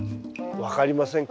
分かりませんか？